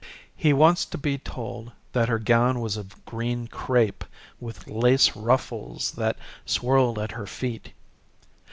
He wants to be told that her gown was of green crepe, with lace ruffles that swirled at her feet.